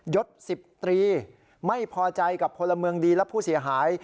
ศ๑๐ตรีไม่พอใจกับพลเมืองดีและผู้เสียหาย